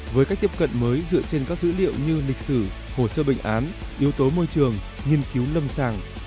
với cách tiếp cận mới dựa trên các dữ liệu như lịch sử hồ sơ bệnh án yếu tố môi trường nghiên cứu lâm sàng